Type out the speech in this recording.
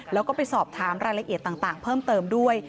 แล้วก็ไปสอบถามรายละเอียดต่างเพิ่มเติมด้วย